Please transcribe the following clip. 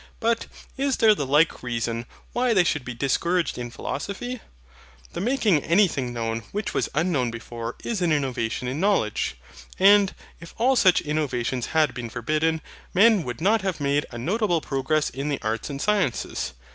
But is there the like reason why they should be discouraged in philosophy? The making anything known which was unknown before is an innovation in knowledge: and, if all such innovations had been forbidden, men would have made a notable progress in the arts and sciences.